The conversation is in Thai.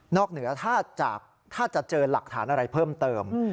เหนือถ้าจะเจอหลักฐานอะไรเพิ่มเติม